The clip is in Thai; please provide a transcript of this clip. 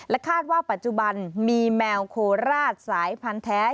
คาดว่าปัจจุบันมีแมวโคราชสายพันธุ์แท้